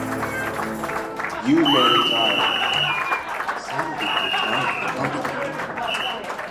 ‘You may retire.’ Sam did retire accordingly.